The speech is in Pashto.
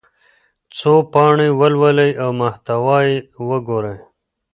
څو پاڼې ولولئ او محتوا یې وګورئ.